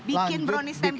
bikin brownies tempenya